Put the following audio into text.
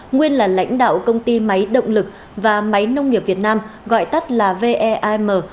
nguyên là lãnh đạo công ty máy động lực và máy nông nghiệp việt nam gọi tắt là vem